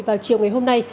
vào chiều ngày hôm nay